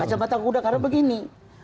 kacamata kuda karena begini